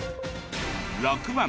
６番。